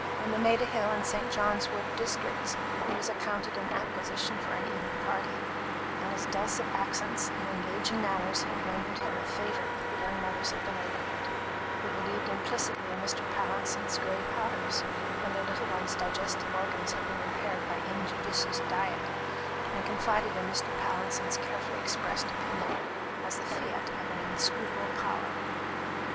In the Maida hill and St. John's wood districts he was accounted an acquisition for an evening party; and his dulcet accents and engaging manners had rendered him a favourite with the young mothers of the neighbourhood, who believed implicitly in Mr. Pallinson's gray powders when their little ones' digestive organs had been impaired by injudicious diet, and confided in Mr. Pallinson's carefully expressed opinion as the fiat of an inscrutable power.